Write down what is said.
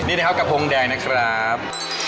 นี่นะครับกระโพงแดงนะครับ